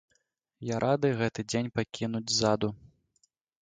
Я рады гэты дзень пакінуць ззаду.